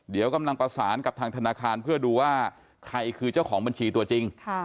เดี๋ยวกำลังประสานกับทางธนาคารเพื่อดูว่าใครคือเจ้าของบัญชีตัวจริง